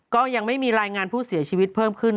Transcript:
ก็ยังไม่มีรายงานผู้เสียชีวิตเพิ่มขึ้น